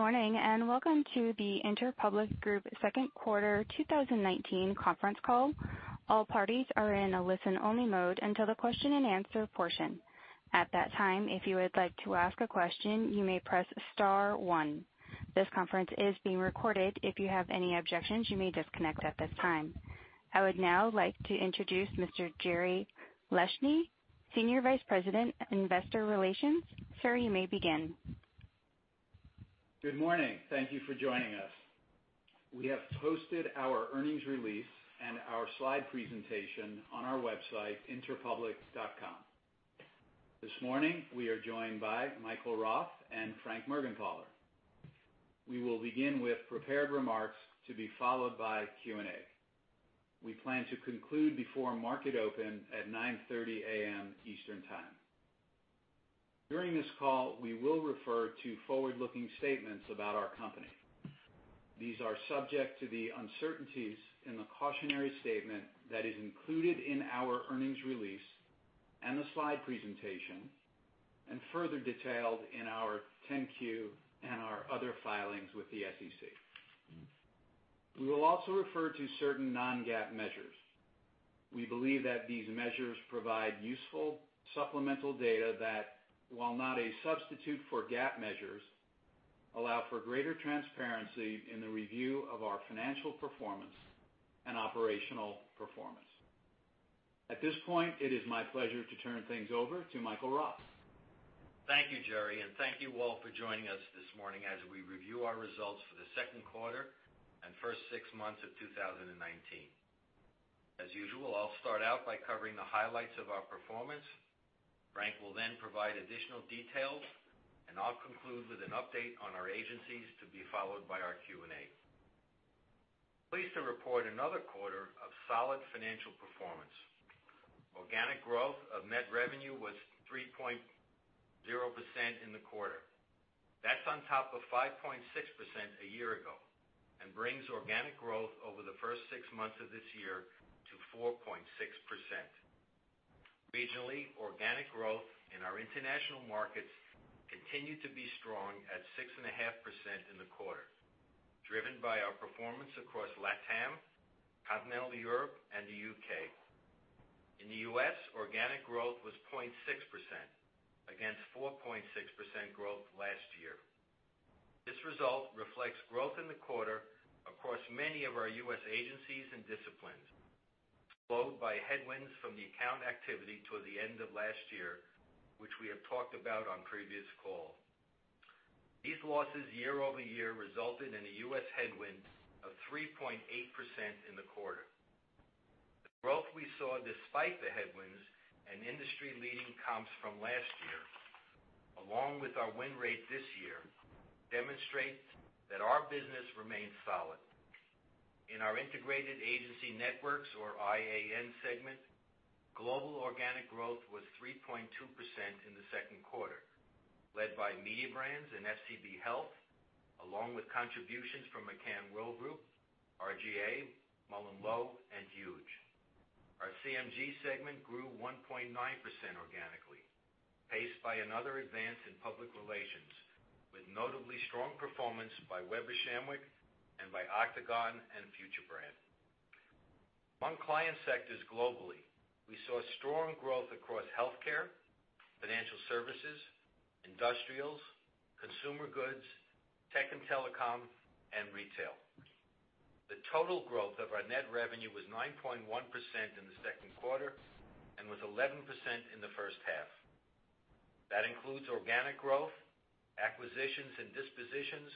Good morning and welcome to the Interpublic Group second quarter 2019 conference call. All parties are in a listen-only mode until the question-and-answer portion. At that time, if you would like to ask a question, you may press star one. This conference is being recorded. If you have any objections, you may disconnect at this time. I would now like to introduce Mr. Jerry Leshne, Senior Vice President, Investor Relations. Sir, you may begin. Good morning. Thank you for joining us. We have posted our earnings release and our slide presentation on our website, interpublic.com. This morning, we are joined by Michael Roth and Frank Mergenthaler. We will begin with prepared remarks to be followed by Q&A. We plan to conclude before market open at 9:30 A.M. Eastern Time. During this call, we will refer to forward-looking statements about our company. These are subject to the uncertainties in the cautionary statement that is included in our earnings release and the slide presentation, and further detailed in our 10-Q and our other filings with the SEC. We will also refer to certain non-GAAP measures. We believe that these measures provide useful supplemental data that, while not a substitute for GAAP measures, allow for greater transparency in the review of our financial performance and operational performance. At this point, it is my pleasure to turn things over to Michael Roth. Thank you, Jerry, and thank you all for joining us this morning as we review our results for the second quarter and first six months of 2019. As usual, I'll start out by covering the highlights of our performance. Frank will then provide additional details, and I'll conclude with an update on our agencies to be followed by our Q&A. Pleased to report another quarter of solid financial performance. Organic growth of net revenue was 3.0% in the quarter. That's on top of 5.6% a year ago and brings organic growth over the first six months of this year to 4.6%. Regionally, organic growth in our international markets continued to be strong at 6.5% in the quarter, driven by our performance across LATAM, Continental Europe, and the U.K. In the U.S., organic growth was 0.6% against 4.6% growth last year. This result reflects growth in the quarter across many of our U.S. agencies and disciplines, followed by headwinds from the account activity toward the end of last year, which we have talked about on previous call. These losses year over year resulted in a U.S. headwind of 3.8% in the quarter. The growth we saw despite the headwinds and industry-leading comps from last year, along with our win rate this year, demonstrates that our business remains solid. In our Integrated Agency Networks, or IAN segment, global organic growth was 3.2% in the second quarter, led by Mediabrands and FCB Health, along with contributions from McCann Worldgroup, R/GA, MullenLowe, and Huge. Our CMG segment grew 1.9% organically, paced by another advance in public relations, with notably strong performance by Weber Shandwick and by Octagon and FutureBrand. Among client sectors globally, we saw strong growth across healthcare, financial services, industrials, consumer goods, tech and telecom, and retail. The total growth of our net revenue was 9.1% in the second quarter and was 11% in the first half. That includes organic growth, acquisitions and dispositions,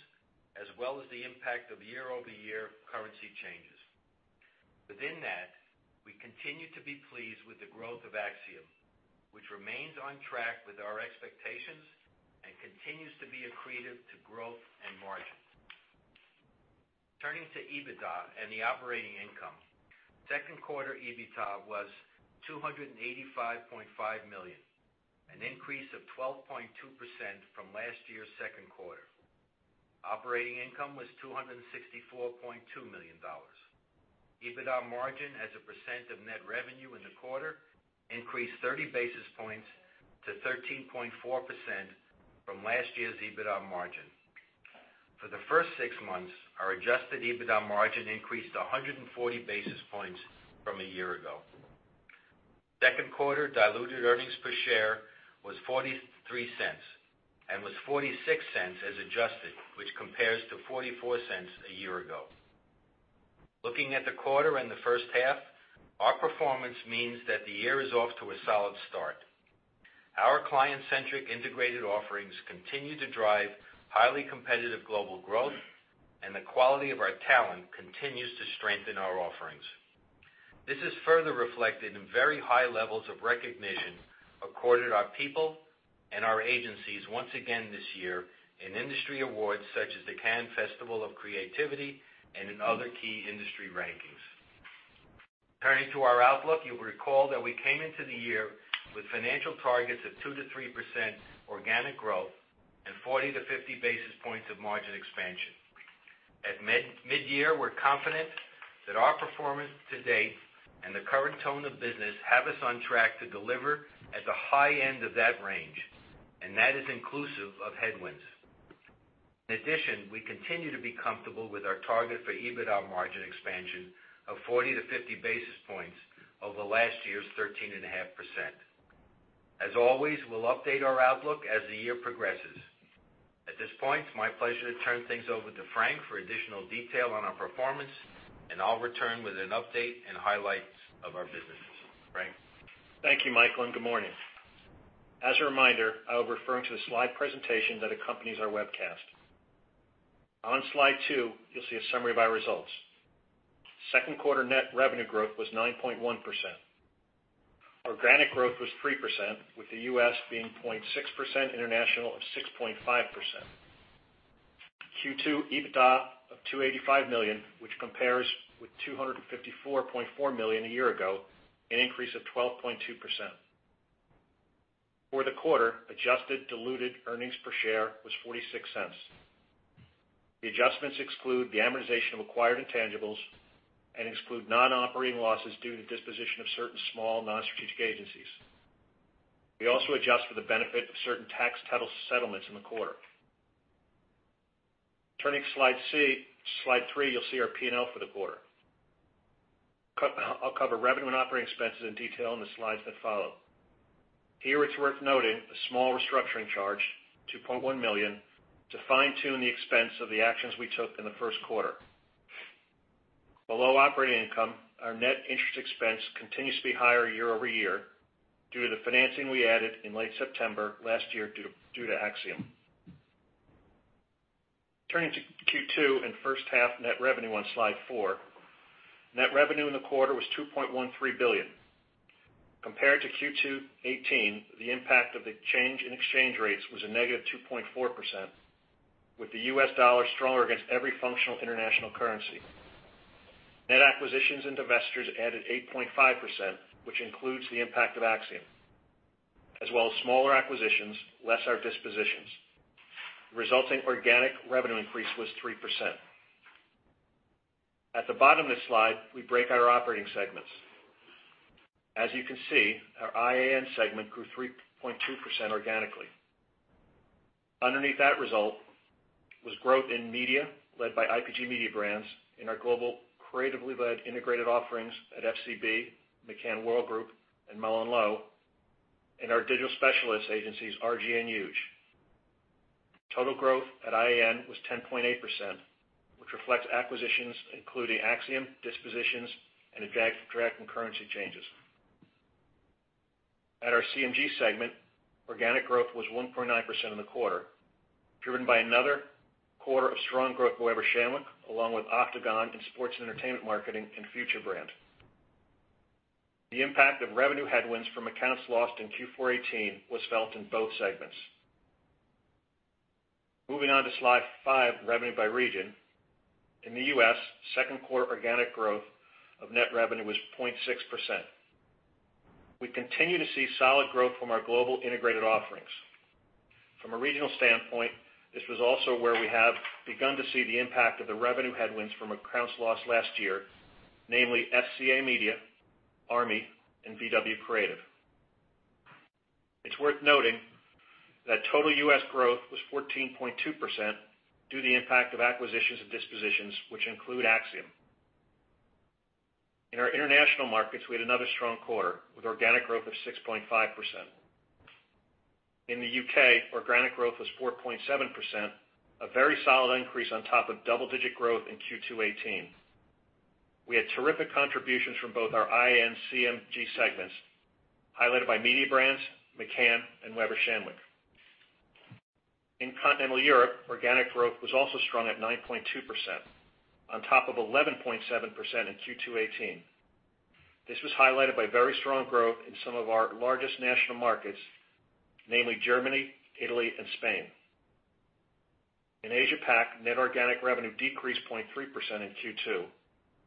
as well as the impact of year-over-year currency changes. Within that, we continue to be pleased with the growth of Acxiom, which remains on track with our expectations and continues to be accretive to growth and margins. Turning to EBITDA and the operating income, second quarter EBITDA was $285.5 million, an increase of 12.2% from last year's second quarter. Operating income was $264.2 million. EBITDA margin as a percent of net revenue in the quarter increased 30 basis points to 13.4% from last year's EBITDA margin. For the first six months, our adjusted EBITDA margin increased 140 basis points from a year ago. Second quarter diluted earnings per share was $0.43 and was $0.46 as adjusted, which compares to $0.44 a year ago. Looking at the quarter and the first half, our performance means that the year is off to a solid start. Our client-centric integrated offerings continue to drive highly competitive global growth, and the quality of our talent continues to strengthen our offerings. This is further reflected in very high levels of recognition accorded to our people and our agencies once again this year in industry awards such as the Cannes Festival of Creativity and in other key industry rankings. Turning to our outlook, you'll recall that we came into the year with financial targets of 2%-3% organic growth and 40-50 basis points of margin expansion. At mid-year, we're confident that our performance to date and the current tone of business have us on track to deliver at the high end of that range, and that is inclusive of headwinds. In addition, we continue to be comfortable with our target for EBITDA margin expansion of 40-50 basis points over last year's 13.5%. As always, we'll update our outlook as the year progresses. At this point, it's my pleasure to turn things over to Frank for additional detail on our performance, and I'll return with an update and highlights of our businesses. Frank. Thank you, Michael, and good morning. As a reminder, I will be referring to the slide presentation that accompanies our webcast. On slide two, you'll see a summary of our results. Second quarter net revenue growth was 9.1%. Organic growth was 3%, with the U.S. being 0.6%, international of 6.5%. Q2 EBITDA of $285 million, which compares with $254.4 million a year ago, an increase of 12.2%. For the quarter, adjusted diluted earnings per share was $0.46. The adjustments exclude the amortization of acquired intangibles and exclude non-operating losses due to the disposition of certain small non-strategic agencies. We also adjust for the benefit of certain tax title settlements in the quarter. Turning to slide three, you'll see our P&L for the quarter. I'll cover revenue and operating expenses in detail in the slides that follow. Here, it's worth noting a small restructuring charge, $2.1 million, to fine-tune the expense of the actions we took in the first quarter. Below operating income, our net interest expense continues to be higher year-over-year due to the financing we added in late September last year due to Acxiom. Turning to Q2 and first half net revenue on slide four, net revenue in the quarter was $2.13 billion. Compared to Q2 2018, the impact of the change in exchange rates was a -2.4%, with the U.S. dollar stronger against every functional international currency. Net acquisitions and divestitures added 8.5%, which includes the impact of Acxiom, as well as smaller acquisitions less our dispositions. The resulting organic revenue increase was 3%. At the bottom of the slide, we break out our operating segments. As you can see, our IAN segment grew 3.2% organically. Underneath that result was growth in media, led by IPG Mediabrands in our global creatively led integrated offerings at FCB, McCann Worldgroup, and MullenLowe, and our digital specialist agencies, R/GA and Huge. Total growth at IAN was 10.8%, which reflects acquisitions including Acxiom, dispositions, and direct and currency changes. At our CMG segment, organic growth was 1.9% in the quarter, driven by another quarter of strong growth by Weber Shandwick, along with Octagon and Sports and Entertainment Marketing and FutureBrand. The impact of revenue headwinds from accounts lost in Q4 2018 was felt in both segments. Moving on to slide five, revenue by region. In the U.S., second quarter organic growth of net revenue was 0.6%. We continue to see solid growth from our global integrated offerings. From a regional standpoint, this was also where we have begun to see the impact of the revenue headwinds from accounts lost last year, namely FCA Media, U.S. Army, and VW Creative. It's worth noting that total U.S. growth was 14.2% due to the impact of acquisitions and dispositions, which include Acxiom. In our international markets, we had another strong quarter with organic growth of 6.5%. In the U.K., organic growth was 4.7%, a very solid increase on top of double-digit growth in Q2 2018. We had terrific contributions from both our IAN, CMG segments, highlighted by Mediabrands, McCann, and Weber Shandwick. In Continental Europe, organic growth was also strong at 9.2%, on top of 11.7% in Q2 2018. This was highlighted by very strong growth in some of our largest national markets, namely Germany, Italy, and Spain. In Asia-Pac, net organic revenue decreased 0.3% in Q2.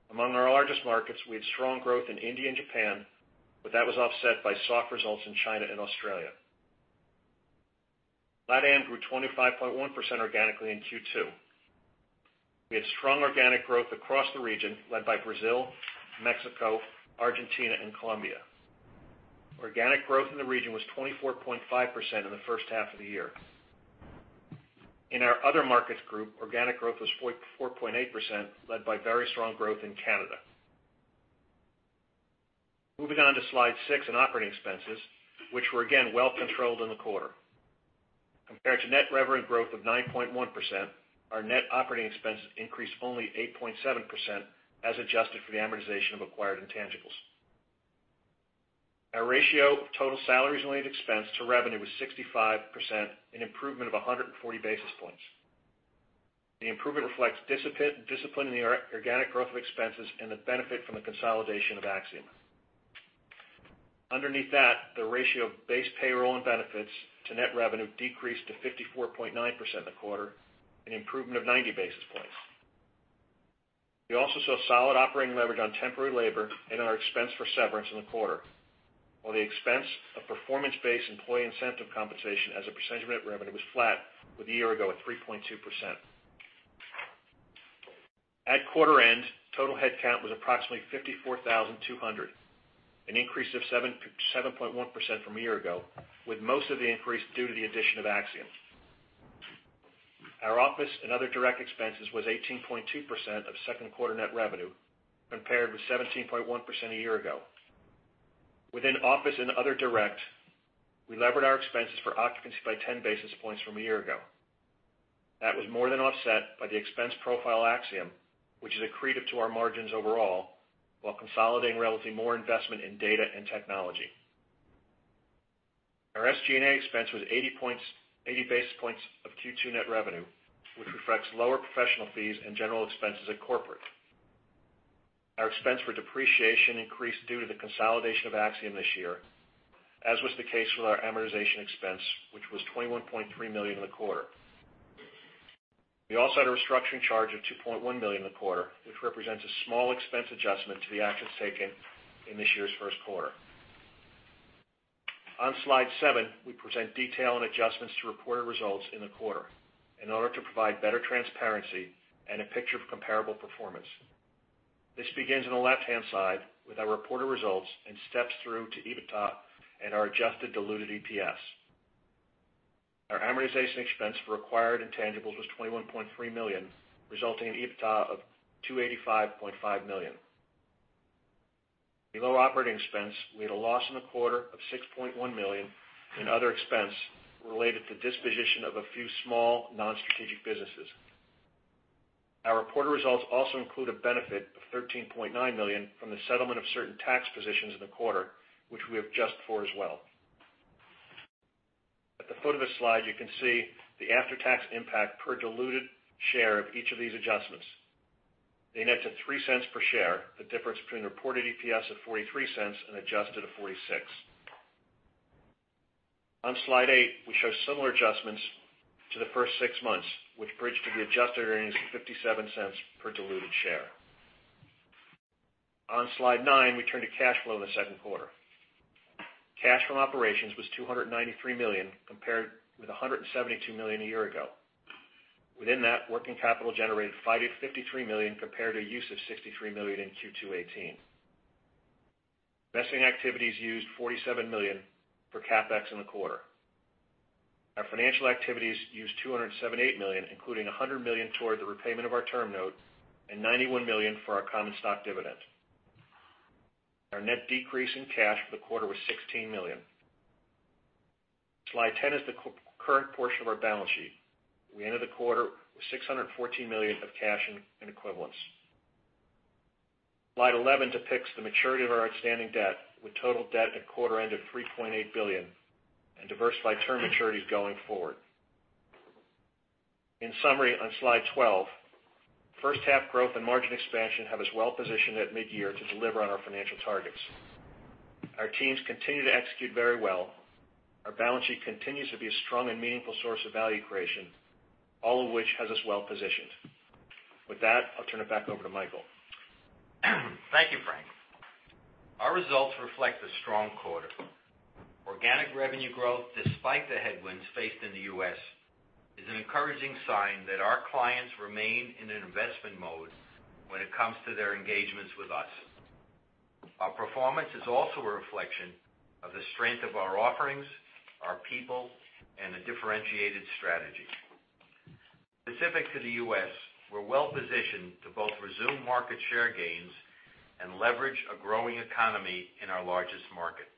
Among our largest markets, we had strong growth in India and Japan, but that was offset by soft results in China and Australia. LATAM grew 25.1% organically in Q2. We had strong organic growth across the region, led by Brazil, Mexico, Argentina, and Colombia. Organic growth in the region was 24.5% in the first half of the year. In our other markets group, organic growth was 4.8%, led by very strong growth in Canada. Moving on to slide six and operating expenses, which were again well controlled in the quarter. Compared to net revenue growth of 9.1%, our net operating expenses increased only 8.7% as adjusted for the amortization of acquired intangibles. Our ratio of total salaries and related expense to revenue was 65%, an improvement of 140 basis points. The improvement reflects discipline in the organic growth of expenses and the benefit from the consolidation of Acxiom. Underneath that, the ratio of base payroll and benefits to net revenue decreased to 54.9% in the quarter, an improvement of 90 basis points. We also saw solid operating leverage on temporary labor and our expense for severance in the quarter, while the expense of performance-based employee incentive compensation as a percentage of net revenue was flat, with a year ago at 3.2%. At quarter end, total headcount was approximately 54,200, an increase of 7.1% from a year ago, with most of the increase due to the addition of Acxiom. Our office and other direct expenses was 18.2% of second quarter net revenue, compared with 17.1% a year ago. Within office and other direct, we levered our expenses for occupancy by 10 basis points from a year ago. That was more than offset by the expense profile Acxiom, which is accretive to our margins overall, while consolidating relatively more investment in data and technology. Our SG&A expense was 80 basis points of Q2 net revenue, which reflects lower professional fees and general expenses at corporate. Our expense for depreciation increased due to the consolidation of Acxiom this year, as was the case with our amortization expense, which was $21.3 million in the quarter. We also had a restructuring charge of $2.1 million in the quarter, which represents a small expense adjustment to the actions taken in this year's first quarter. On slide seven, we present detail and adjustments to reported results in the quarter in order to provide better transparency and a picture of comparable performance. This begins on the left-hand side with our reported results and steps through to EBITDA and our adjusted diluted EPS. Our amortization expense for acquired intangibles was $21.3 million, resulting in EBITDA of $285.5 million. Below operating expense, we had a loss in the quarter of $6.1 million in other expense related to disposition of a few small non-strategic businesses. Our reported results also include a benefit of $13.9 million from the settlement of certain tax positions in the quarter, which we have adjusted for as well. At the foot of this slide, you can see the after-tax impact per diluted share of each of these adjustments. They net to $0.03 per share, the difference between reported EPS of $0.43 and adjusted of $0.46. On slide eight, we show similar adjustments to the first six months, which bridged to the adjusted earnings of $0.57 per diluted share. On slide nine, we turn to cash flow in the second quarter. Cash from operations was $293 million, compared with $172 million a year ago. Within that, working capital generated $553 million compared to a use of $63 million in Q2 2018. Investing activities used $47 million for CapEx in the quarter. Our financial activities used $278 million, including $100 million toward the repayment of our term note and $91 million for our common stock dividend. Our net decrease in cash for the quarter was $16 million. Slide 10 is the current portion of our balance sheet. We ended the quarter with $614 million of cash and equivalents. Slide 11 depicts the maturity of our outstanding debt, with total debt at quarter end of $3.8 billion and diversified term maturities going forward. In summary, on slide 12, first half growth and margin expansion have us well positioned at mid-year to deliver on our financial targets. Our teams continue to execute very well. Our balance sheet continues to be a strong and meaningful source of value creation, all of which has us well positioned. With that, I'll turn it back over to Michael. Thank you, Frank. Our results reflect a strong quarter. Organic revenue growth, despite the headwinds faced in the U.S., is an encouraging sign that our clients remain in an investment mode when it comes to their engagements with us. Our performance is also a reflection of the strength of our offerings, our people, and a differentiated strategy. Specific to the U.S., we're well positioned to both resume market share gains and leverage a growing economy in our largest market.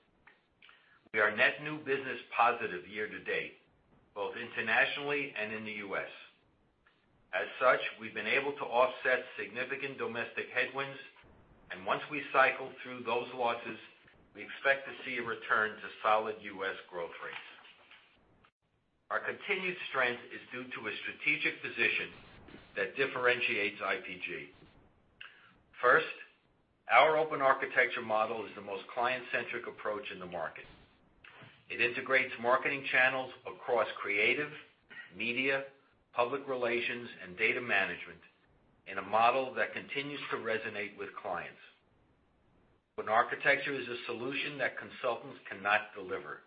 We are net new business positive year to date, both internationally and in the U.S. As such, we've been able to offset significant domestic headwinds, and once we cycle through those losses, we expect to see a return to solid U.S. growth rates. Our continued strength is due to a strategic position that differentiates IPG. First, our open architecture model is the most client-centric approach in the market. It integrates marketing channels across creative, media, public relations, and data management in a model that continues to resonate with clients. Open architecture is a solution that consultants cannot deliver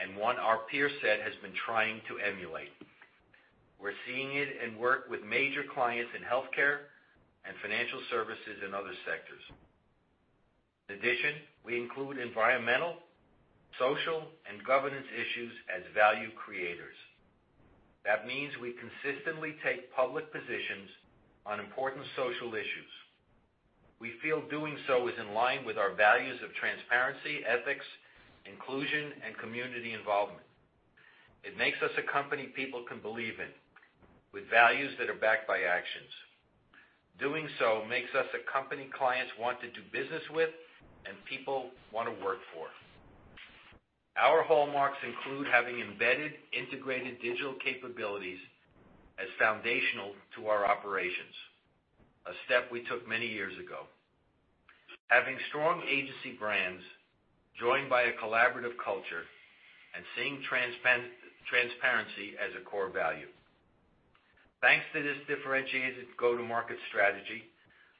and one our peers said has been trying to emulate. We're seeing it in work with major clients in healthcare and financial services and other sectors. In addition, we include environmental, social, and governance issues as value creators. That means we consistently take public positions on important social issues. We feel doing so is in line with our values of transparency, ethics, inclusion, and community involvement. It makes us a company people can believe in, with values that are backed by actions. Doing so makes us a company clients want to do business with and people want to work for. Our hallmarks include having embedded integrated digital capabilities as foundational to our operations, a step we took many years ago. Having strong agency brands joined by a collaborative culture and seeing transparency as a core value. Thanks to this differentiated go-to-market strategy,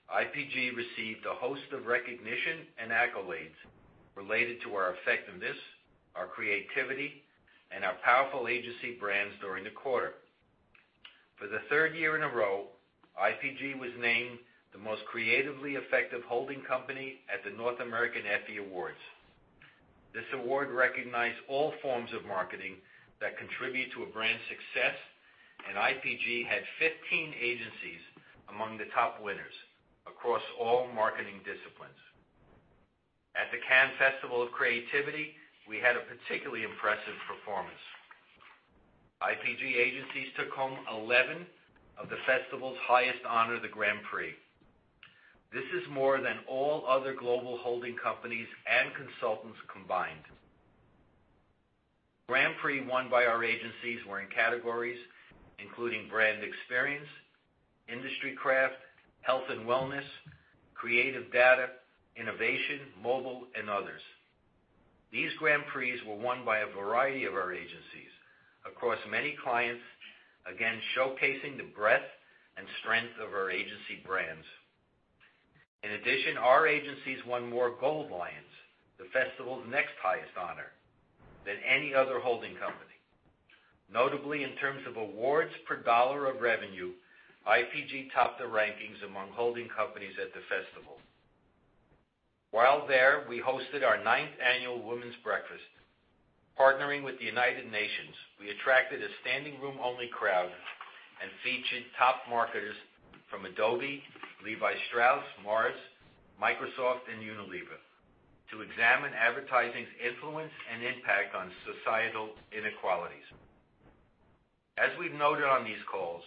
IPG received a host of recognition and accolades related to our effectiveness, our creativity, and our powerful agency brands during the quarter. For the third year in a row, IPG was named the most creatively effective holding company at the North American Effie Awards. This award recognized all forms of marketing that contribute to a brand's success, and IPG had 15 agencies among the top winners across all marketing disciplines. At the Cannes Festival of Creativity, we had a particularly impressive performance. IPG agencies took home 11 of the festival's highest honors, the Grand Prix. This is more than all other global holding companies and consultants combined. Grand Prix won by our agencies were in categories including brand experience, industry craft, health and wellness, creative data, innovation, mobile, and others. These Grand Prix were won by a variety of our agencies across many clients, again showcasing the breadth and strength of our agency brands. In addition, our agencies won more Gold Lions, the festival's next highest honor, than any other holding company. Notably, in terms of awards per dollar of revenue, IPG topped the rankings among holding companies at the festival. While there, we hosted our ninth annual Women's Breakfast. Partnering with the United Nations, we attracted a standing room-only crowd and featured top marketers from Adobe, Levi Strauss, Mars, Microsoft, and Unilever to examine advertising's influence and impact on societal inequalities. As we've noted on these calls,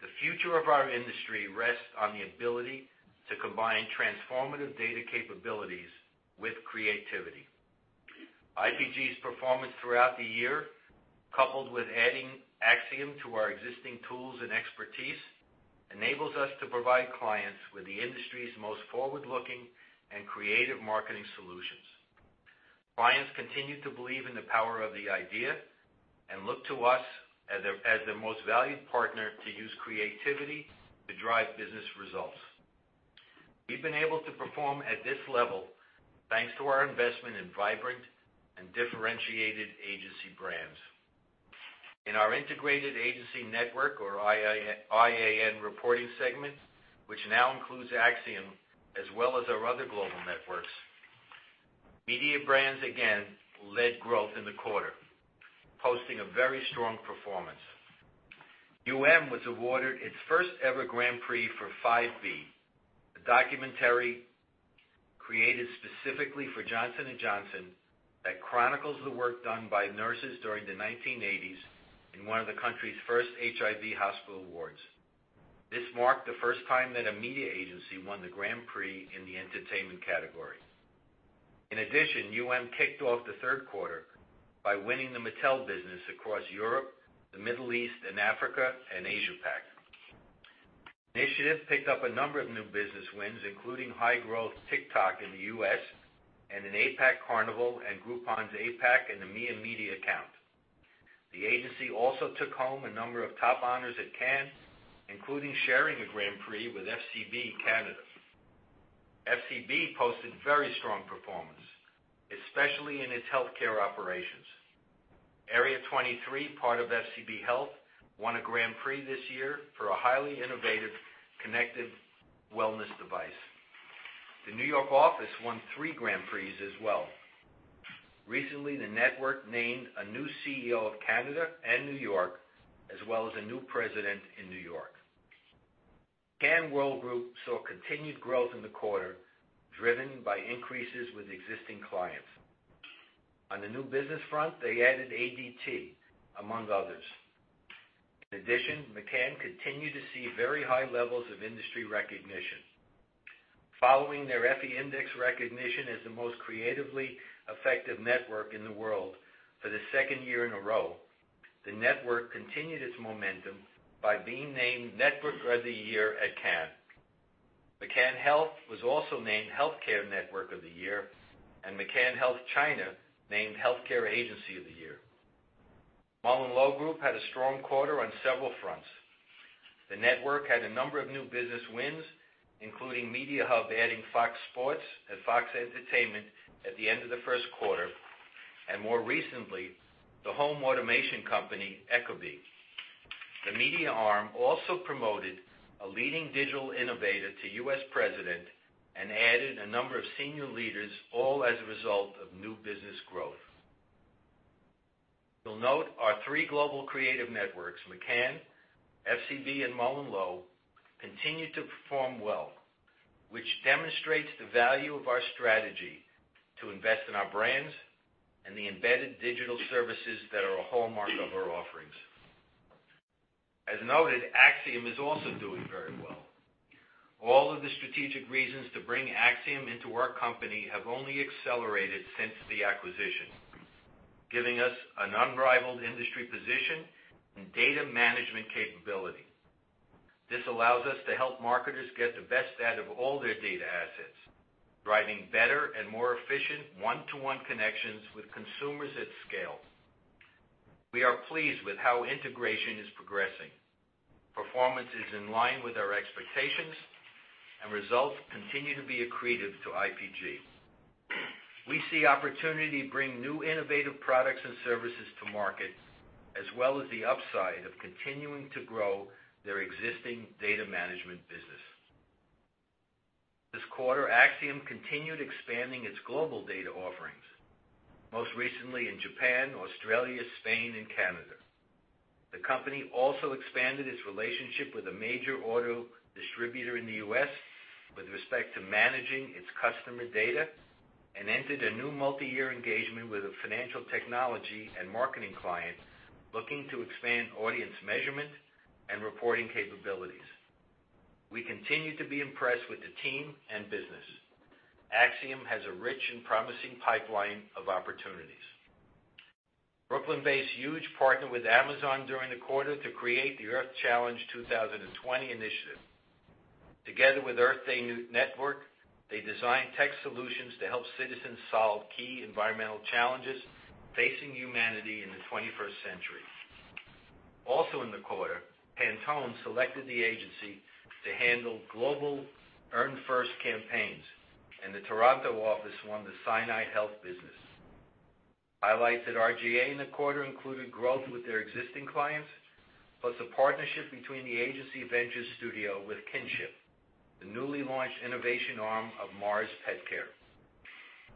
the future of our industry rests on the ability to combine transformative data capabilities with creativity. IPG's performance throughout the year, coupled with adding Acxiom to our existing tools and expertise, enables us to provide clients with the industry's most forward-looking and creative marketing solutions. Clients continue to believe in the power of the idea and look to us as their most valued partner to use creativity to drive business results. We've been able to perform at this level thanks to our investment in vibrant and differentiated agency brands. In our Integrated Agency Network, or IAN reporting segment, which now includes Acxiom, as well as our other global networks, Mediabrands again led growth in the quarter, posting a very strong performance. was awarded its first-ever Grand Prix for 5B, a documentary created specifically for Johnson & Johnson that chronicles the work done by nurses during the 1980s in one of the country's first HIV hospital wards. This marked the first time that a media agency won the Grand Prix in the entertainment category. In addition, Initiative kicked off the third quarter by winning the Mattel business across Europe, the Middle East, Africa, and Asia-Pac. The Initiative picked up a number of new business wins, including high-growth TikTok in the U.S. and in APAC, Carnival and GroupM's APAC and the EMEA media account. The agency also took home a number of top honors at Cannes, including sharing a Grand Prix with FCB Canada. FCB posted very strong performance, especially in its healthcare operations. Area 23, part of FCB Health, won a Grand Prix this year for a highly innovative connected wellness device. The New York office won three Grand Prix as well. Recently, the network named a new CEO of Canada and New York, as well as a new president in New York. McCann Worldgroup saw continued growth in the quarter, driven by increases with existing clients. On the new business front, they added ADT, among others. In addition, McCann continued to see very high levels of industry recognition. Following their Effie Index recognition as the most creatively effective network in the world for the second year in a row, the network continued its momentum by being named Network of the Year at Cannes. McCann Health was also named Healthcare Network of the Year, and McCann Health China named Healthcare Agency of the Year. MullenLowe Group had a strong quarter on several fronts. The network had a number of new business wins, including Mediahub adding Fox Sports and Fox Entertainment at the end of the first quarter, and more recently, the home automation company ecobee. The media arm also promoted a leading digital innovator to U.S. president and added a number of senior leaders, all as a result of new business growth. You'll note our three global creative networks, McCann, FCB, and MullenLowe, continued to perform well, which demonstrates the value of our strategy to invest in our brands and the embedded digital services that are a hallmark of our offerings. As noted, Acxiom is also doing very well. All of the strategic reasons to bring Acxiom into our company have only accelerated since the acquisition, giving us an unrivaled industry position and data management capability. This allows us to help marketers get the best out of all their data assets, driving better and more efficient one-to-one connections with consumers at scale. We are pleased with how integration is progressing. Performance is in line with our expectations, and results continue to be accretive to IPG. We see opportunity to bring new innovative products and services to market, as well as the upside of continuing to grow their existing data management business. This quarter, Acxiom continued expanding its global data offerings, most recently in Japan, Australia, Spain, and Canada. The company also expanded its relationship with a major auto distributor in the U.S. with respect to managing its customer data and entered a new multi-year engagement with a financial technology and marketing client looking to expand audience measurement and reporting capabilities. We continue to be impressed with the team and business. Acxiom has a rich and promising pipeline of opportunities. Brooklyn-based Huge partnered with Amazon during the quarter to create the Earth Challenge 2020 initiative. Together with Earth Day Network, they designed tech solutions to help citizens solve key environmental challenges facing humanity in the 21st century. Also in the quarter, Pantone selected the agency to handle global earned-first campaigns, and the Toronto office won the Sinai Health business. Highlights at R/GA in the quarter included growth with their existing clients, plus a partnership between the agency's Venture Studio with Kinship, the newly launched innovation arm of Mars Petcare.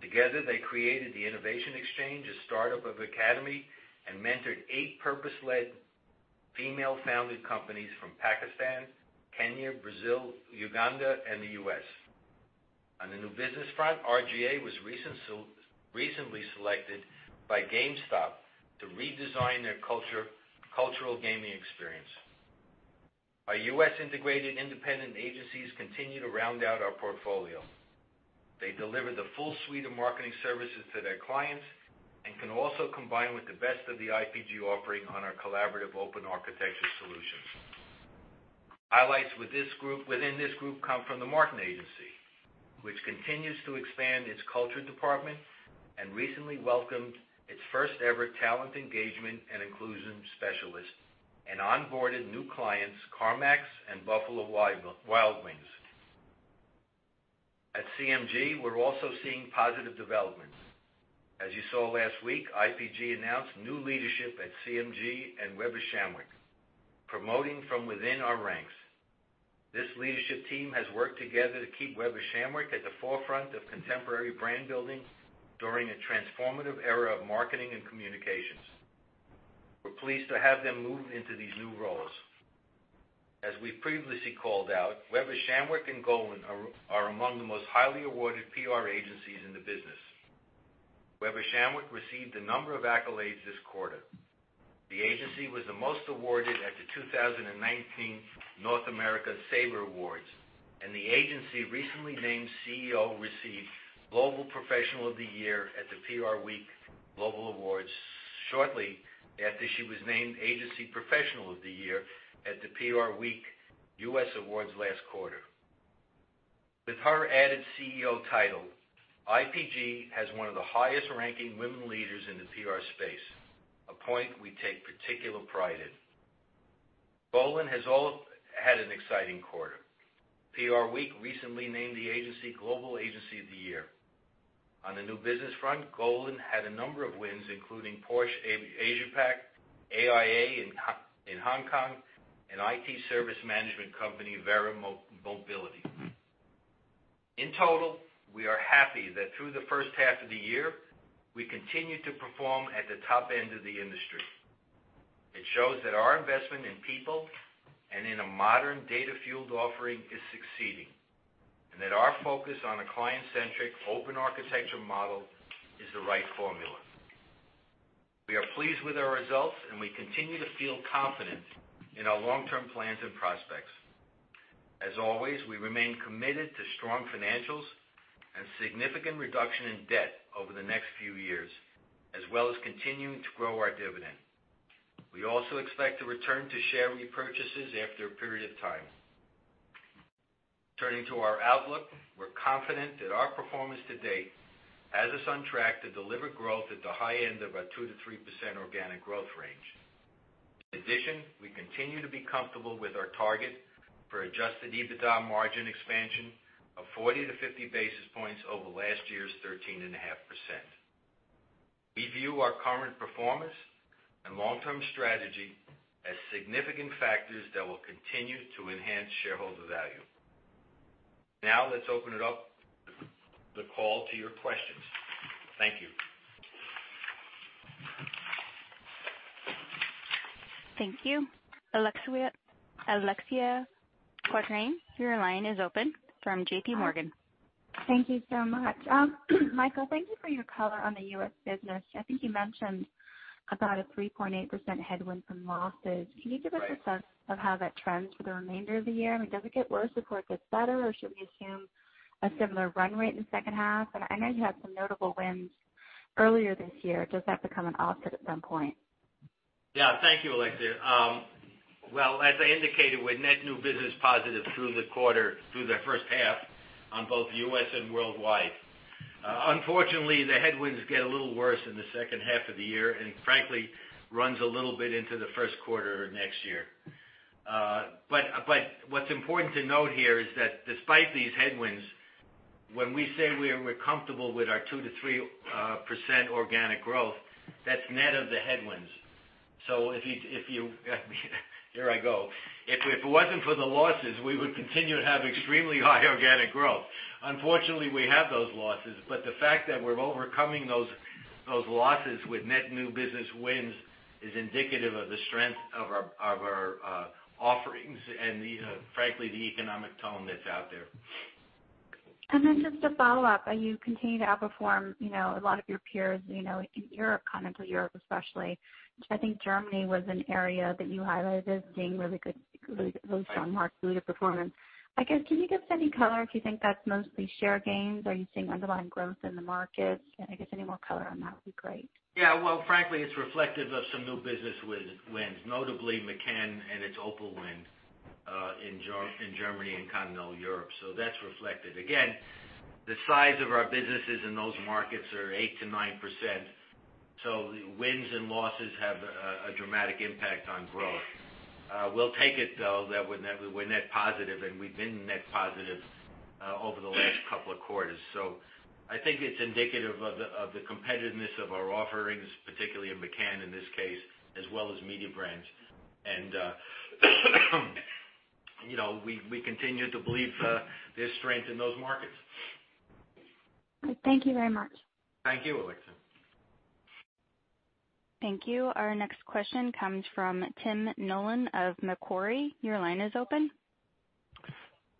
Together, they created the Innovation Exchange, a startup academy, and mentored eight purpose-led female-founded companies from Pakistan, Kenya, Brazil, Uganda, and the U.S. On the new business front, R/GA was recently selected by GameStop to redesign their cultural gaming experience. Our U.S.-integrated independent agencies continue to round out our portfolio. They deliver the full suite of marketing services to their clients and can also combine with the best of the IPG offering on our collaborative open architecture solutions. Highlights within this group come from The Martin Agency, which continues to expand its culture department and recently welcomed its first-ever talent engagement and inclusion specialist and onboarded new clients, CarMax and Buffalo Wild Wings. At CMG, we're also seeing positive developments. As you saw last week, IPG announced new leadership at CMG and Weber Shandwick, promoting from within our ranks. This leadership team has worked together to keep Weber Shandwick at the forefront of contemporary brand building during a transformative era of marketing and communications. We're pleased to have them move into these new roles. As we previously called out, Weber Shandwick and Golin are among the most highly awarded PR agencies in the business. Weber Shandwick received a number of accolades this quarter. The agency was the most awarded at the 2019 North America SABRE Awards, and the agency recently named CEO received Global Professional of the Year at the PRWeek Global Awards shortly after she was named Agency Professional of the Year at the PRWeek US Awards last quarter. With her added CEO title, IPG has one of the highest-ranking women leaders in the PR space, a point we take particular pride in. Golin has also had an exciting quarter. PRWeek recently named the agency Global Agency of the Year. On the new business front, Golin had a number of wins, including Porsche Asia-Pacific, AIA in Hong Kong, and IT service management company Verra Mobility. In total, we are happy that through the first half of the year, we continue to perform at the top end of the industry. It shows that our investment in people and in a modern data-fueled offering is succeeding and that our focus on a client-centric open architecture model is the right formula. We are pleased with our results, and we continue to feel confident in our long-term plans and prospects. As always, we remain committed to strong financials and significant reduction in debt over the next few years, as well as continuing to grow our dividend. We also expect to return to share repurchases after a period of time. Turning to our outlook, we're confident that our performance to date has us on track to deliver growth at the high end of our 2%-3% organic growth range. In addition, we continue to be comfortable with our target for adjusted EBITDA margin expansion of 40-50 basis points over last year's 13.5%. We view our current performance and long-term strategy as significant factors that will continue to enhance shareholder value. Now, let's open it up for the call to your questions. Thank you. Thank you. Alexia Quadrani, your line is open from JPMorgan. Thank you so much. Michael, thank you for your color on the U.S. business. I think you mentioned about a 3.8% headwind from losses. Can you give us a sense of how that trends for the remainder of the year? I mean, does it get worse before it gets better, or should we assume a similar run rate in the second half? And I know you had some notable wins earlier this year. Does that become an offset at some point? Yeah. Thank you, Alexia. Well, as I indicated, we had net new business positive through the quarter, through the first half, on both the U.S. and worldwide. Unfortunately, the headwinds get a little worse in the second half of the year and, frankly, run a little bit into the first quarter next year. But what's important to note here is that despite these headwinds, when we say we're comfortable with our 2%-3% organic growth, that's net of the headwinds. So if you, here I go. If it wasn't for the losses, we would continue to have extremely high organic growth. Unfortunately, we have those losses, but the fact that we're overcoming those losses with net new business wins is indicative of the strength of our offerings and, frankly, the economic tone that's out there. And then just to follow up, you continue to outperform a lot of your peers in Europe, Continental Europe especially. I think Germany was an area that you highlighted as being really good, really strong market leading performance. I guess, can you give us any color if you think that's mostly share gains? Are you seeing underlying growth in the markets? And I guess any more color on that would be great. Yeah. Well, frankly, it's reflective of some new business wins, notably McCann and its Opel win in Germany and Continental Europe. So that's reflected. Again, the size of our businesses in those markets are 8%-9%, so wins and losses have a dramatic impact on growth. We'll take it, though, that we're net positive, and we've been net positive over the last couple of quarters. So I think it's indicative of the competitiveness of our offerings, particularly in McCann in this case, as well as Mediabrands. And we continue to believe there's strength in those markets. Thank you very much. Thank you, Alexia. Thank you. Our next question comes from Tim Nollen of Macquarie. Your line is open.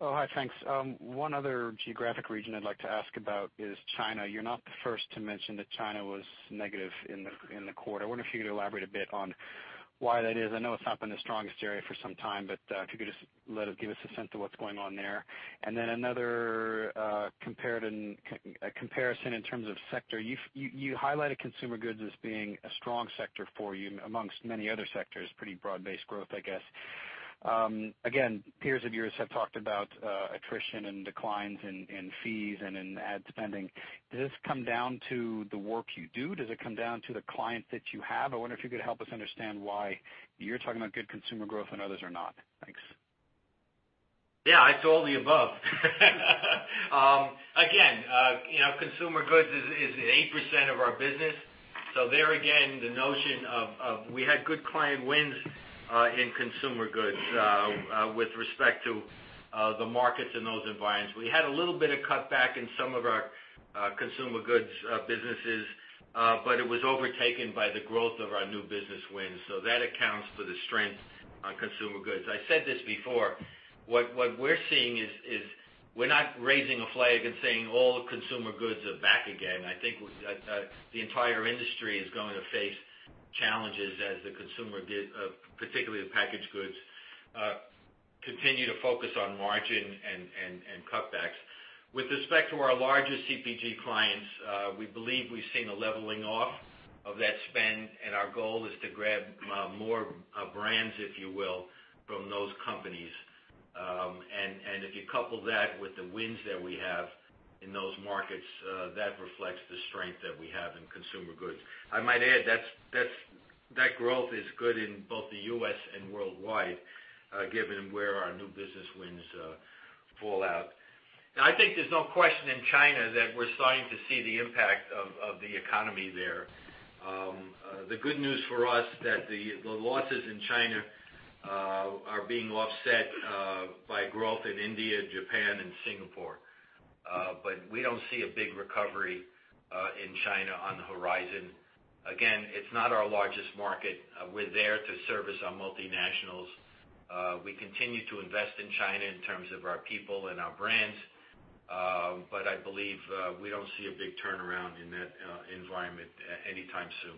Oh, hi. Thanks. One other geographic region I'd like to ask about is China. You're not the first to mention that China was negative in the quarter. I wonder if you could elaborate a bit on why that is. I know it's not been the strongest area for some time, but if you could just give us a sense of what's going on there, and then another comparison in terms of sector. You highlighted consumer goods as being a strong sector for you amongst many other sectors, pretty broad-based growth, I guess. Again, peers of yours have talked about attrition and declines in fees and in ad spending. Does this come down to the work you do? Does it come down to the client that you have? I wonder if you could help us understand why you're talking about good consumer growth and others are not. Thanks. Yeah. I saw the above. Again, consumer goods is 8% of our business. So there, again, the notion of we had good client wins in consumer goods with respect to the markets in those environments. We had a little bit of cutback in some of our consumer goods businesses, but it was overtaken by the growth of our new business wins. So that accounts for the strength on consumer goods. I said this before. What we're seeing is we're not raising a flag and saying all consumer goods are back again. I think the entire industry is going to face challenges as the consumer, particularly the packaged goods, continue to focus on margin and cutbacks. With respect to our larger CPG clients, we believe we've seen a leveling off of that spend, and our goal is to grab more brands, if you will, from those companies. And if you couple that with the wins that we have in those markets, that reflects the strength that we have in consumer goods. I might add that that growth is good in both the U.S. and worldwide, given where our new business wins fall out. I think there's no question in China that we're starting to see the impact of the economy there. The good news for us is that the losses in China are being offset by growth in India, Japan, and Singapore. But we don't see a big recovery in China on the horizon. Again, it's not our largest market. We're there to service our multinationals. We continue to invest in China in terms of our people and our brands, but I believe we don't see a big turnaround in that environment anytime soon.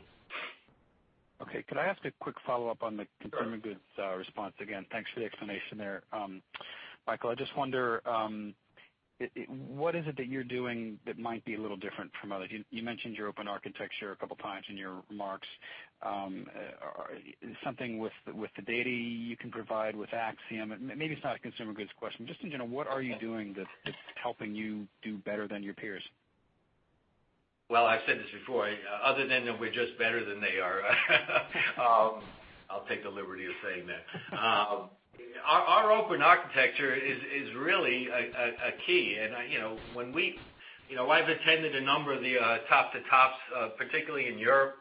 Okay. Can I ask a quick follow-up on the consumer goods response? Again, thanks for the explanation there. Michael, I just wonder what is it that you're doing that might be a little different from others? You mentioned your open architecture a couple of times in your remarks. Something with the data you can provide with Acxiom. Maybe it's not a consumer goods question. Just in general, what are you doing that's helping you do better than your peers? I've said this before. Other than that we're just better than they are. I'll take the liberty of saying that. Our open architecture is really a key. And when we, I've attended a number of the top-to-tops, particularly in Europe,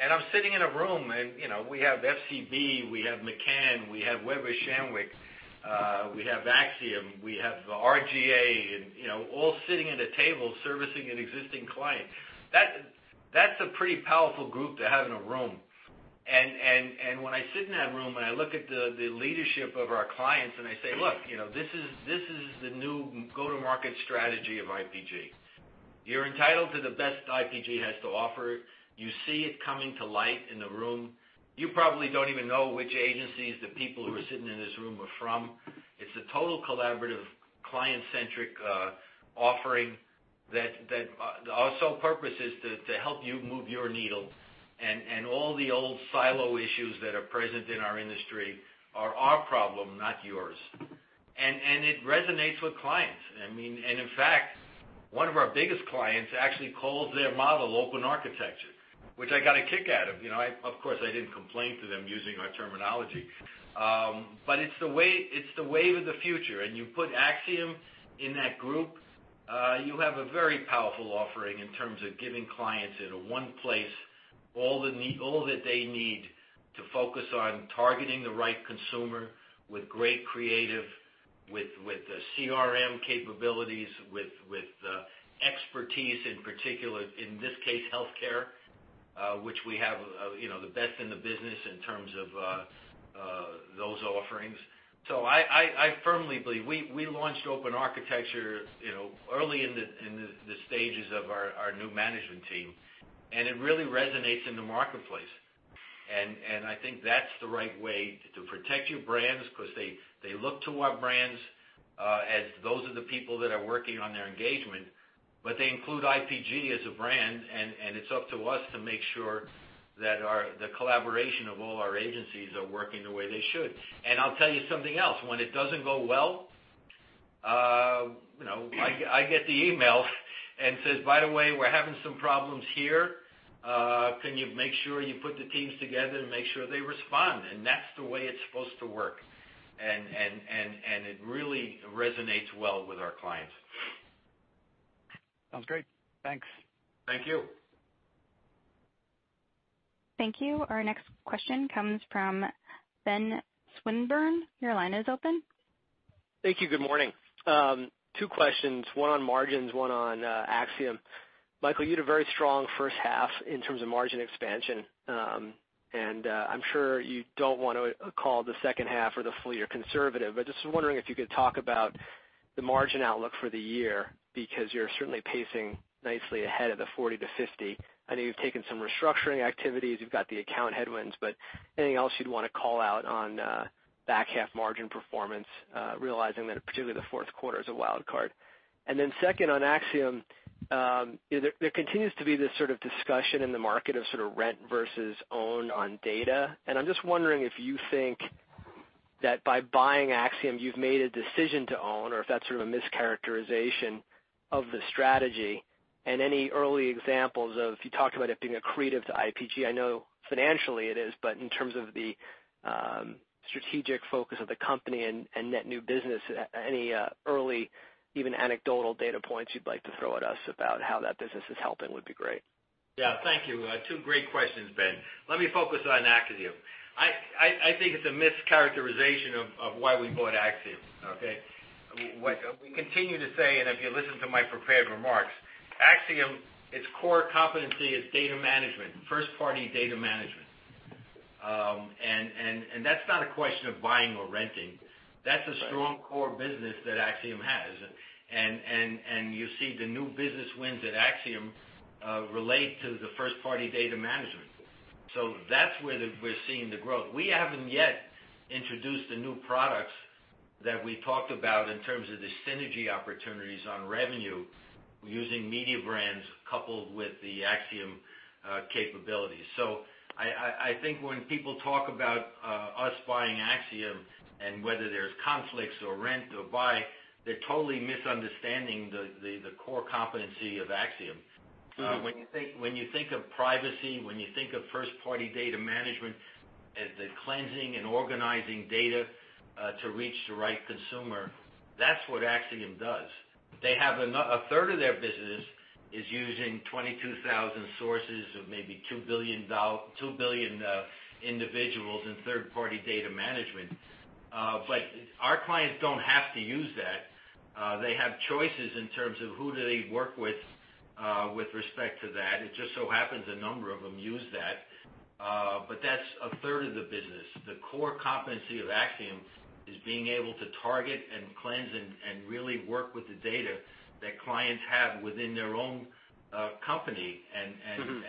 and I'm sitting in a room, and we have FCB, we have McCann, we have Weber Shandwick, we have Acxiom, we have R/GA, and all sitting at a table servicing an existing client. That's a pretty powerful group to have in a room. And when I sit in that room and I look at the leadership of our clients and I say, "Look, this is the new go-to-market strategy of IPG. You're entitled to the best IPG has to offer. You see it coming to light in the room. You probably don't even know which agencies the people who are sitting in this room are from. It's a total collaborative client-centric offering that our sole purpose is to help you move your needle. And all the old silo issues that are present in our industry are our problem, not yours." And it resonates with clients. I mean, and in fact, one of our biggest clients actually calls their model open architecture, which I got a kick out of. Of course, I didn't complain to them using our terminology. But it's the wave of the future. And you put Acxiom in that group, you have a very powerful offering in terms of giving clients in one place all that they need to focus on targeting the right consumer with great creative, with CRM capabilities, with expertise in particular, in this case, healthcare, which we have the best in the business in terms of those offerings. So I firmly believe we launched Open architecture early in the stages of our new management team, and it really resonates in the marketplace. And I think that's the right way to protect your brands because they look to our brands as those are the people that are working on their engagement, but they include IPG as a brand, and it's up to us to make sure that the collaboration of all our agencies is working the way they should. And I'll tell you something else. When it doesn't go well, I get the email and says, "By the way, we're having some problems here. Can you make sure you put the teams together and make sure they respond?" And that's the way it's supposed to work. And it really resonates well with our clients. Sounds great. Thanks. Thank you. Thank you. Our next question comes from Ben Swinburne. Your line is open. Thank you. Good morning. Two questions. One on margins, one on Acxiom. Michael, you had a very strong first half in terms of margin expansion, and I'm sure you don't want to call the second half or the full year conservative. But just wondering if you could talk about the margin outlook for the year because you're certainly pacing nicely ahead of the 40-50. I know you've taken some restructuring activities. You've got the account headwinds, but anything else you'd want to call out on back-half margin performance, realizing that particularly the fourth quarter is a wild card? And then second, on Acxiom, there continues to be this sort of discussion in the market of sort of rent versus own on data. And I'm just wondering if you think that by buying Acxiom, you've made a decision to own or if that's sort of a mischaracterization of the strategy. And any early examples of, you talked about it being a creative to IPG. I know financially it is, but in terms of the strategic focus of the company and net new business, any early, even anecdotal data points you'd like to throw at us about how that business is helping would be great. Yeah. Thank you. Two great questions, Ben. Let me focus on Acxiom. I think it's a mischaracterization of why we bought Acxiom, okay? We continue to say, and if you listen to my prepared remarks, Acxiom, its core competency is data management, first-party data management. And that's not a question of buying or renting. That's a strong core business that Acxiom has. And you see the new business wins at Acxiom relate to the first-party data management. So that's where we're seeing the growth. We haven't yet introduced the new products that we talked about in terms of the synergy opportunities on revenue using Mediabrands coupled with the Acxiom capabilities. So I think when people talk about us buying Acxiom and whether there's conflicts or rent or buy, they're totally misunderstanding the core competency of Acxiom. When you think of privacy, when you think of first-party data management, the cleansing and organizing data to reach the right consumer, that's what Acxiom does. They have a third of their business is using 22,000 sources of maybe 2 billion individuals in third-party data management. But our clients don't have to use that. They have choices in terms of who do they work with with respect to that. It just so happens a number of them use that. But that's a third of the business. The core competency of Acxiom is being able to target and cleanse and really work with the data that clients have within their own company. And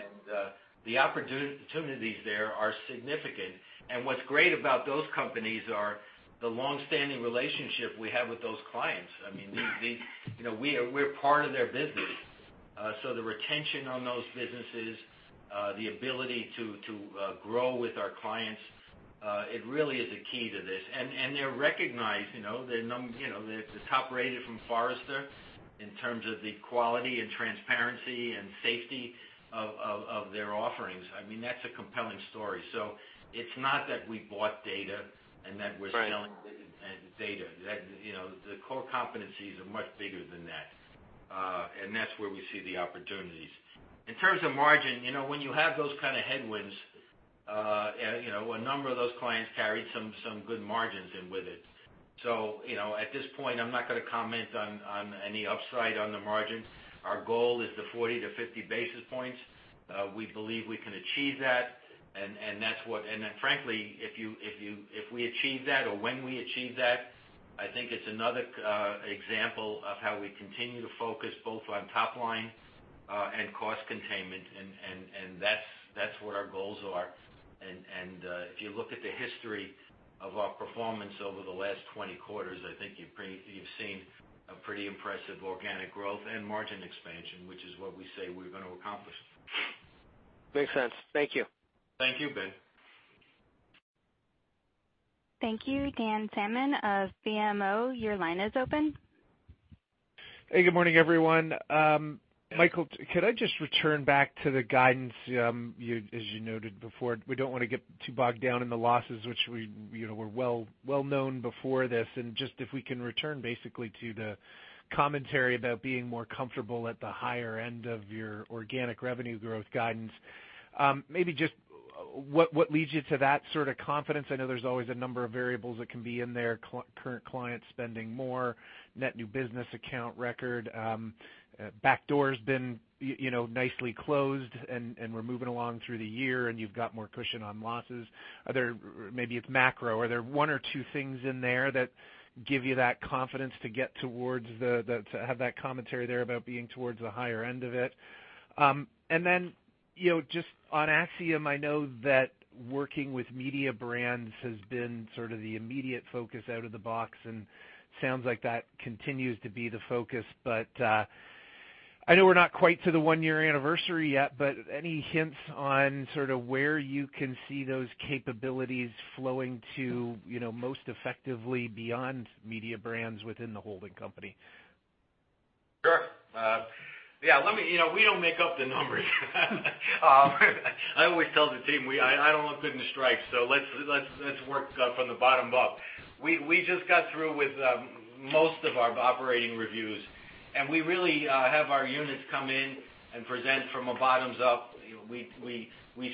the opportunities there are significant. And what's great about those companies are the long-standing relationship we have with those clients. I mean, we're part of their business. So the retention on those businesses, the ability to grow with our clients, it really is a key to this. And they're recognized. They're the top-rated from Forrester in terms of the quality and transparency and safety of their offerings. I mean, that's a compelling story. So it's not that we bought data and that we're selling data. The core competencies are much bigger than that. And that's where we see the opportunities. In terms of margin, when you have those kind of headwinds, a number of those clients carried some good margins in with it. So at this point, I'm not going to comment on any upside on the margin. Our goal is the 40-50 basis points. We believe we can achieve that. And that's what, and frankly, if we achieve that or when we achieve that, I think it's another example of how we continue to focus both on top line and cost containment. And that's what our goals are. And if you look at the history of our performance over the last 20 quarters, I think you've seen a pretty impressive organic growth and margin expansion, which is what we say we're going to accomplish. Makes sense. Thank you. Thank you, Ben. Thank you. Dan Salmon of BMO. Your line is open. Hey, good morning, everyone. Michael, could I just return back to the guidance as you noted before? We don't want to get too bogged down in the losses, which were well-known before this, and just if we can return basically to the commentary about being more comfortable at the higher end of your organic revenue growth guidance, maybe just what leads you to that sort of confidence? I know there's always a number of variables that can be in there: current client spending more, net new business account record, backdoor has been nicely closed, and we're moving along through the year, and you've got more cushion on losses. Maybe it's macro. Are there one or two things in there that give you that confidence to get towards the—to have that commentary there about being towards the higher end of it? And then just on Acxiom, I know that working with Mediabrands has been sort of the immediate focus out of the box, and it sounds like that continues to be the focus. But I know we're not quite to the one-year anniversary yet, but any hints on sort of where you can see those capabilities flowing to most effectively beyond Mediabrands within the holding company? Sure. Yeah. We don't make up the numbers. I always tell the team, "I don't want guesswork, so let's work from the bottom up." We just got through with most of our operating reviews, and we really have our units come in and present from a bottoms-up. We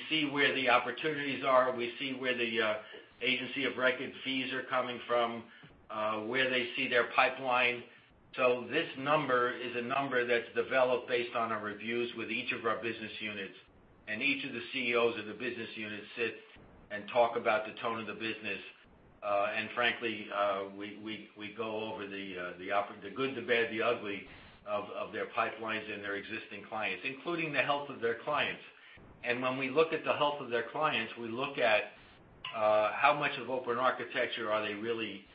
see where the opportunities are. We see where the agency of record fees are coming from, where they see their pipeline. So this number is a number that's developed based on our reviews with each of our business units, and each of the CEOs of the business units sit and talk about the tone of the business. And frankly, we go over the good, the bad, the ugly of their pipelines and their existing clients, including the health of their clients. When we look at the health of their clients, we look at how much of open architecture are they really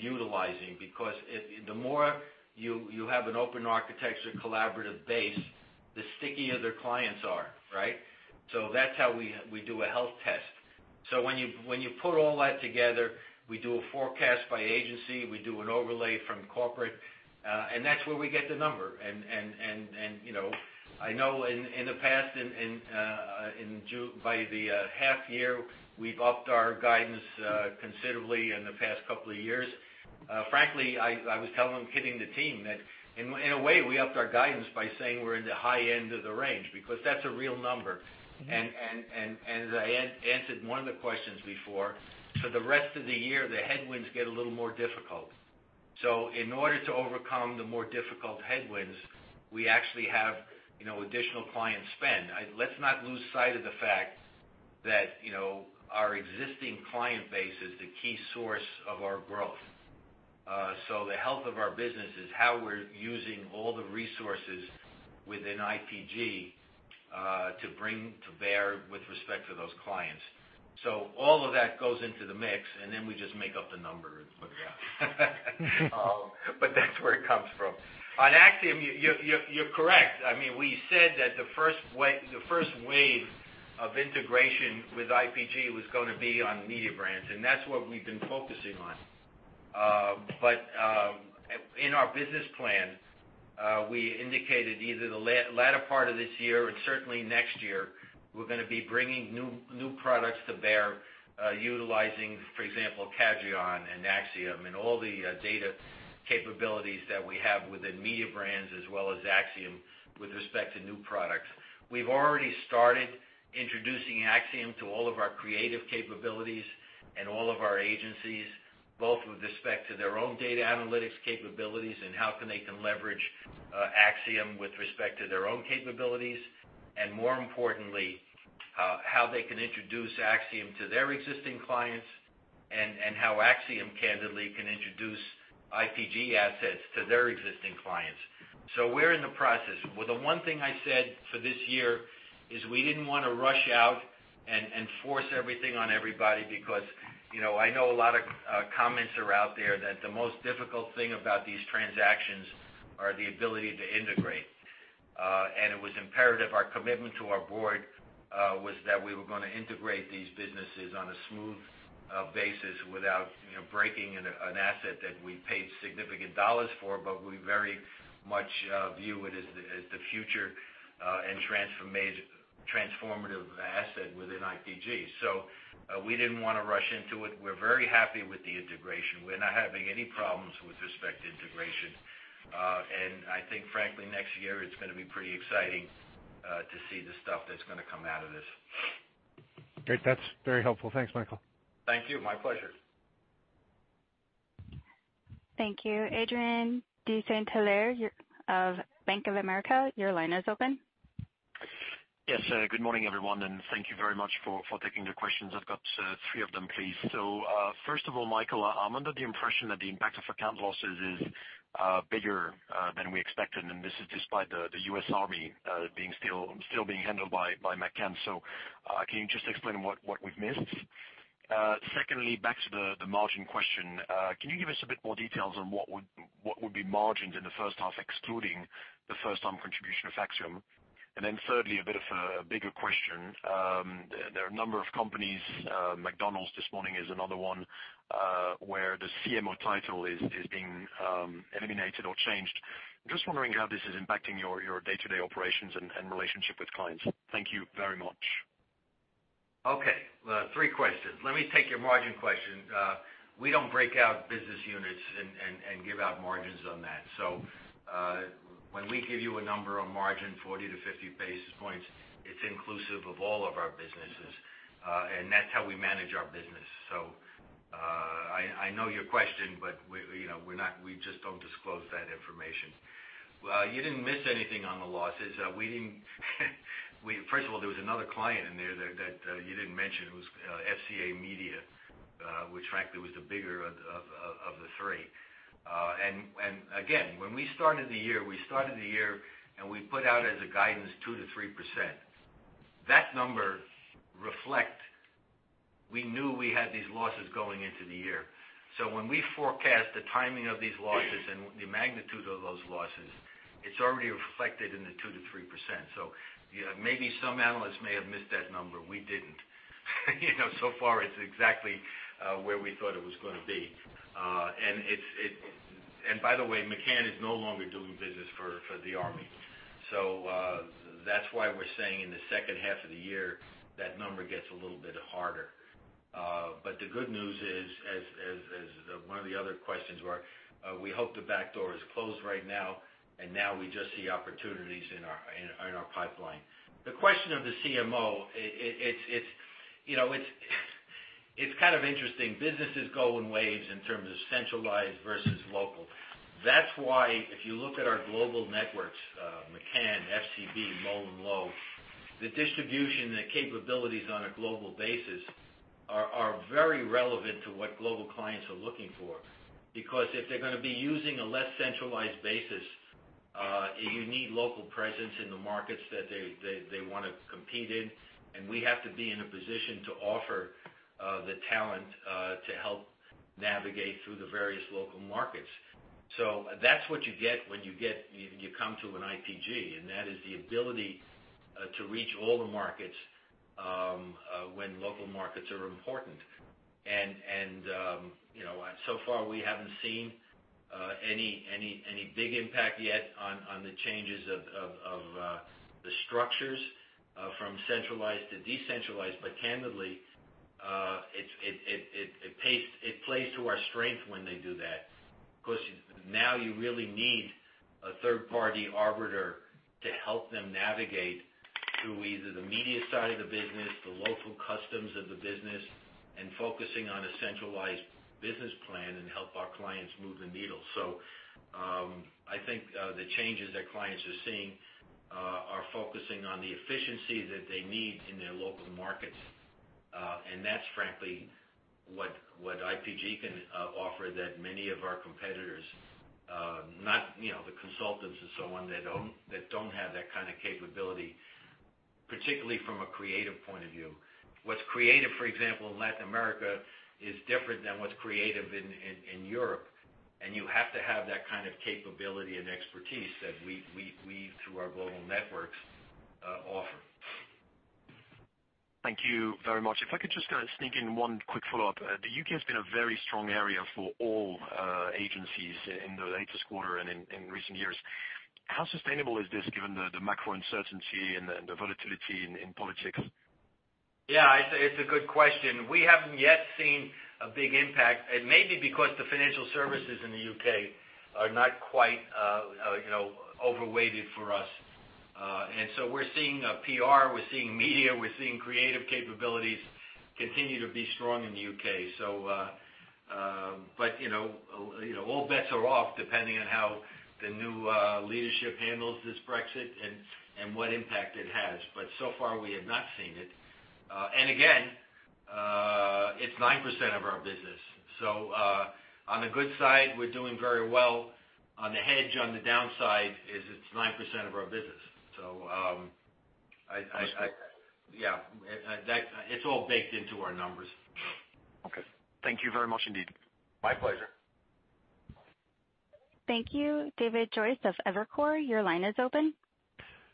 utilizing? Because the more you have an open architecture collaborative base, the stickier their clients are, right? So that's how we do a health test. So when you put all that together, we do a forecast by agency. We do an overlay from corporate. And that's where we get the number. And I know in the past, by the half year, we've upped our guidance considerably in the past couple of years. Frankly, I was telling him, kidding the team, that in a way, we upped our guidance by saying we're in the high end of the range because that's a real number. And I answered one of the questions before. For the rest of the year, the headwinds get a little more difficult. So in order to overcome the more difficult headwinds, we actually have additional client spend. Let's not lose sight of the fact that our existing client base is the key source of our growth. So the health of our business is how we're using all the resources within IPG to bring to bear with respect to those clients. So all of that goes into the mix, and then we just make up the number and put it out. But that's where it comes from. On Acxiom, you're correct. I mean, we said that the first wave of integration with IPG was going to be on Mediabrands, and that's what we've been focusing on. But in our business plan, we indicated either the latter part of this year or certainly next year, we're going to be bringing new products to bear, utilizing, for example, Cadreon and Acxiom and all the data capabilities that we have within Mediabrands as well as Acxiom with respect to new products. We've already started introducing Acxiom to all of our creative capabilities and all of our agencies, both with respect to their own data analytics capabilities and how they can leverage Acxiom with respect to their own capabilities. And more importantly, how they can introduce Acxiom to their existing clients and how Acxiom candidly can introduce IPG assets to their existing clients. So we're in the process. The one thing I said for this year is we didn't want to rush out and force everything on everybody because I know a lot of comments are out there that the most difficult thing about these transactions is the ability to integrate, and it was imperative. Our commitment to our board was that we were going to integrate these businesses on a smooth basis without breaking an asset that we paid significant dollars for, but we very much view it as the future and transformative asset within IPG, so we didn't want to rush into it. We're very happy with the integration. We're not having any problems with respect to integration, and I think, frankly, next year, it's going to be pretty exciting to see the stuff that's going to come out of this. Great. That's very helpful. Thanks, Michael. Thank you. My pleasure. Thank you. Adrien de Saint Hilaire of Bank of America, your line is open. Yes. Good morning, everyone. And thank you very much for taking the questions. I've got three of them, please. So first of all, Michael, I'm under the impression that the impact of account losses is bigger than we expected. And this is despite the U.S. Army still being handled by McCann. So can you just explain what we've missed? Secondly, back to the margin question, can you give us a bit more details on what would be margins in the first half, excluding the first-time contribution of Acxiom? And then thirdly, a bit of a bigger question. There are a number of companies, McDonald's this morning is another one where the CMO title is being eliminated or changed. I'm just wondering how this is impacting your day-to-day operations and relationship with clients. Thank you very much. Okay. Three questions. Let me take your margin question. We don't break out business units and give out margins on that. So when we give you a number on margin, 40-50 basis points, it's inclusive of all of our businesses. And that's how we manage our business. So I know your question, but we just don't disclose that information. You didn't miss anything on the losses. First of all, there was another client in there that you didn't mention. It was FCA Media, which frankly was the bigger of the three. And again, when we started the year, we started the year and we put out as a guidance 2%-3%. That number reflects we knew we had these losses going into the year. So when we forecast the timing of these losses and the magnitude of those losses, it's already reflected in the 2%-3%. So maybe some analysts may have missed that number. We didn't. So far, it's exactly where we thought it was going to be. And by the way, McCann is no longer doing business for the Army. So that's why we're saying in the second half of the year, that number gets a little bit harder. But the good news is, as one of the other questions were, we hope the backdoor is closed right now, and now we just see opportunities in our pipeline. The question of the CMO, it's kind of interesting. Businesses go in waves in terms of centralized versus local. That's why if you look at our global networks, McCann, FCB, MullenLowe, the distribution and the capabilities on a global basis are very relevant to what global clients are looking for. Because if they're going to be using a less centralized basis, you need local presence in the markets that they want to compete in. And we have to be in a position to offer the talent to help navigate through the various local markets. So that's what you get when you come to an IPG. And that is the ability to reach all the markets when local markets are important. And so far, we haven't seen any big impact yet on the changes of the structures from centralized to decentralized. But candidly, it plays to our strength when they do that. Because now you really need a third-party arbiter to help them navigate through either the media side of the business, the local customs of the business, and focusing on a centralized business plan and help our clients move the needle. So I think the changes that clients are seeing are focusing on the efficiency that they need in their local markets. And that's frankly what IPG can offer that many of our competitors, not the consultants and so on, that don't have that kind of capability, particularly from a creative point of view. What's creative, for example, in Latin America is different than what's creative in Europe. And you have to have that kind of capability and expertise that we, through our global networks, offer. Thank you very much. If I could just sneak in one quick follow-up. The U.K. has been a very strong area for all agencies in the latest quarter and in recent years. How sustainable is this given the macro uncertainty and the volatility in politics? Yeah. It's a good question. We haven't yet seen a big impact. It may be because the financial services in the U.K. are not quite overweighted for us. And so we're seeing PR, we're seeing media, we're seeing creative capabilities continue to be strong in the U.K. But all bets are off depending on how the new leadership handles this Brexit and what impact it has. But so far, we have not seen it. And again, it's 9% of our business. So on the good side, we're doing very well. On the hedge, on the downside is it's 9% of our business. So yeah, it's all baked into our numbers. Okay. Thank you very much indeed. My pleasure. Thank you. David Joyce of Evercore, your line is open.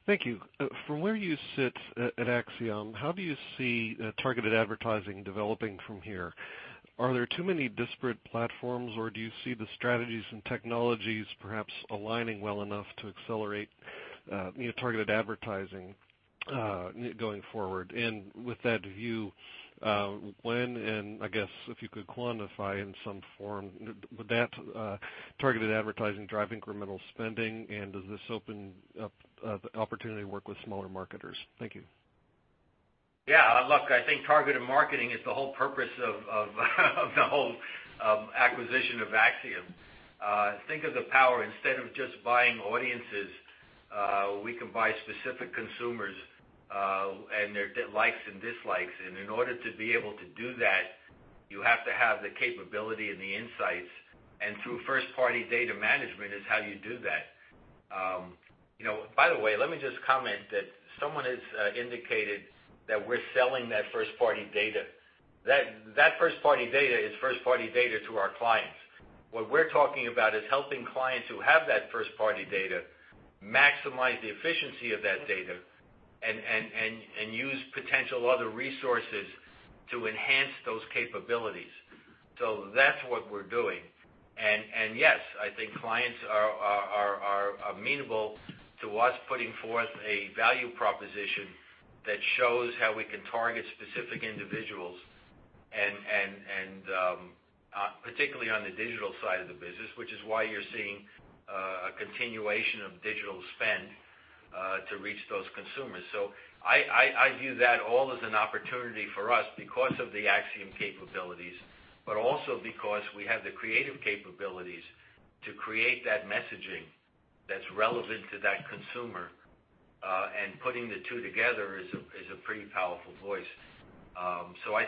Thank you. From where you sit at Acxiom, how do you see targeted advertising developing from here? Are there too many disparate platforms, or do you see the strategies and technologies perhaps aligning well enough to accelerate targeted advertising going forward? And with that view, when and I guess if you could quantify in some form, would that targeted advertising drive incremental spending, and does this open up the opportunity to work with smaller marketers? Thank you. Yeah. Look, I think targeted marketing is the whole purpose of the whole acquisition of Acxiom. Think of the power. Instead of just buying audiences, we can buy specific consumers and their likes and dislikes, and in order to be able to do that, you have to have the capability and the insights, and through first-party data management is how you do that. By the way, let me just comment that someone has indicated that we're selling that first-party data. That first-party data is first-party data to our clients. What we're talking about is helping clients who have that first-party data maximize the efficiency of that data and use potential other resources to enhance those capabilities, so that's what we're doing. And yes, I think clients are amenable to us putting forth a value proposition that shows how we can target specific individuals, particularly on the digital side of the business, which is why you're seeing a continuation of digital spend to reach those consumers. So I view that all as an opportunity for us because of the Acxiom capabilities, but also because we have the creative capabilities to create that messaging that's relevant to that consumer. And putting the two together is a pretty powerful voice. So I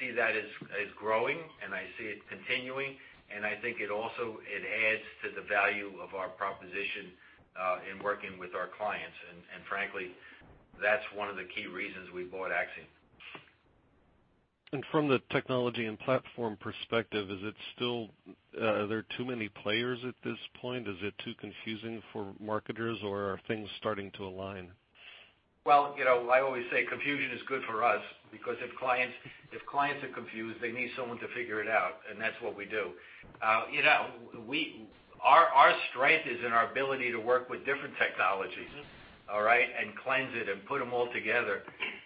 see that as growing, and I see it continuing. And I think it also adds to the value of our proposition in working with our clients. And frankly, that's one of the key reasons we bought Acxiom. From the technology and platform perspective, are there too many players at this point? Is it too confusing for marketers, or are things starting to align? I always say confusion is good for us because if clients are confused, they need someone to figure it out. And that's what we do. Our strength is in our ability to work with different technologies, all right, and cleanse it and put them all together.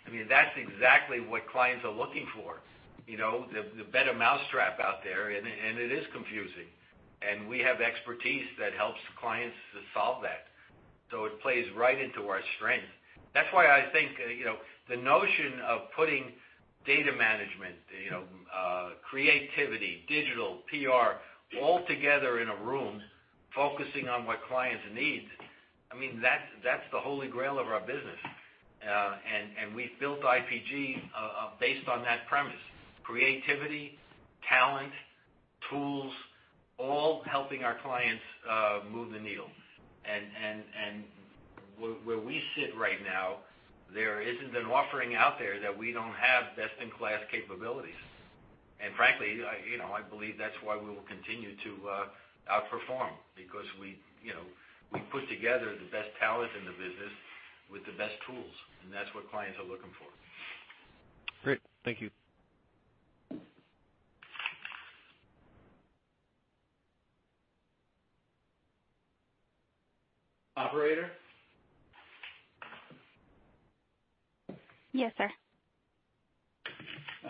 I mean, that's exactly what clients are looking for. The better mousetrap out there, and it is confusing. And we have expertise that helps clients to solve that. So it plays right into our strength. That's why I think the notion of putting data management, creativity, digital, PR all together in a room, focusing on what clients need, I mean, that's the Holy Grail of our business. And we've built IPG based on that premise: creativity, talent, tools, all helping our clients move the needle. And where we sit right now, there isn't an offering out there that we don't have best-in-class capabilities. Frankly, I believe that's why we will continue to outperform because we put together the best talents in the business with the best tools. That's what clients are looking for. Great. Thank you. Operator? Yes, sir.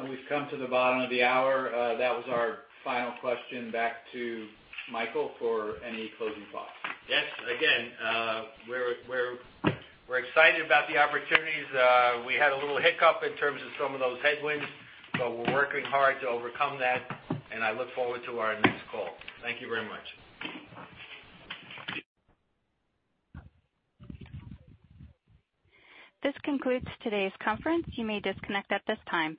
We've come to the bottom of the hour. That was our final question. Back to Michael for any closing thoughts. Yes. Again, we're excited about the opportunities. We had a little hiccup in terms of some of those headwinds, but we're working hard to overcome that. And I look forward to our next call. Thank you very much. This concludes today's conference. You may disconnect at this time.